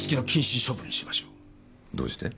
どうして？